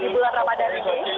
di bulan ramadhan ini